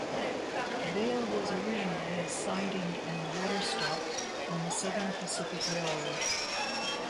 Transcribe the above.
Vail was originally a siding and water stop on the Southern Pacific Railroad.